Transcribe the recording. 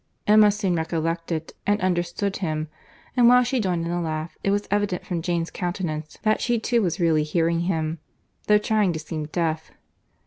Emma soon recollected, and understood him; and while she joined in the laugh, it was evident from Jane's countenance that she too was really hearing him, though trying to seem deaf.